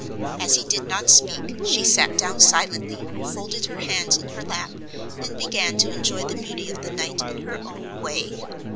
As he did not speak, she sat down silently, folded her hands in her lap, and began to enjoy the beauty of the night in her own way.